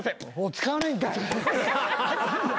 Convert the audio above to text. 使わないんかい。